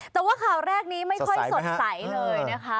แต่ว่าข่าวแรกนี้ไม่ค่อยสดใสเลยนะคะ